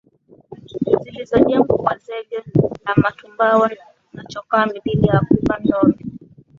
zilizojengwa kwa zege la matumbawe na chokaa mithili ya kuba dome